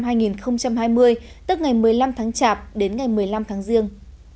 tức ngày một mươi năm tháng chạp đến ngày một mươi năm tháng riêng